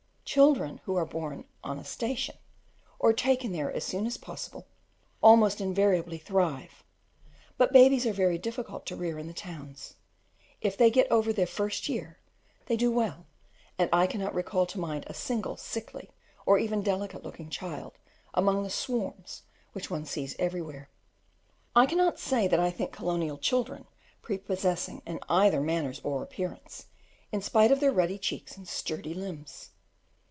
Children who are born on a station, or taken there as soon as possible, almost invariably thrive, but babies are very difficult to rear in the towns. If they get over the first year, they do well; and I cannot really call to mind a single sickly, or even delicate looking child among the swarms which one sees everywhere. I cannot say that I think colonial children prepossessing in either manners or appearance, in spite of their ruddy cheeks and sturdy limbs.